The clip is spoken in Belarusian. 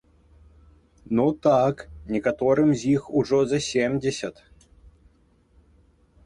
Ну так, некаторым з іх ужо за семдзесят!